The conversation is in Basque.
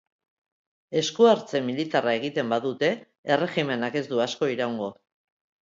Eskuhartze militarra egiten badute, erregimenak ez du asko iraungo.